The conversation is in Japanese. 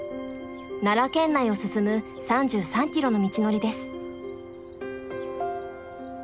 奈良県内を進む３３ｋｍの道のりです。